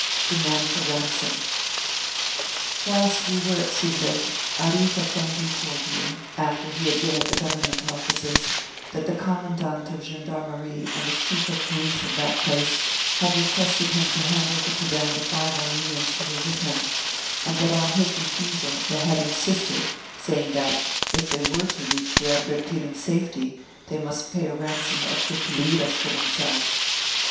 DEMAND FOR RANSOM. Whilst we were at Sivrek, Aarif Effendi told me after he had been at the Government offices that the. Commandant of Gendarmerie and the Chief of Police of that place had requested him to hand over to them the five Armenians who were with him, and that on his refusal they had insisted, saying that, if they were to reach Diarbekir in safety, they must pay a ransom of fifty liras for themselves.